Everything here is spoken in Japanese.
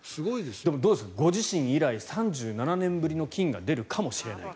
でもご自身以来３７年ぶりの金が出るかもしれないと。